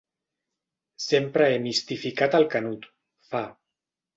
Sempre he mistificat el Canut, fa.